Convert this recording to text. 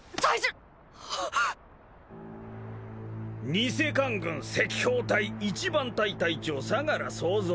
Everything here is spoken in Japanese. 偽官軍赤報隊一番隊隊長相楽総三。